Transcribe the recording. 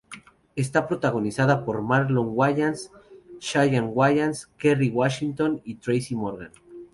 Está protagonizada por Marlon Wayans, Shawn Wayans, Kerry Washington y Tracy Morgan.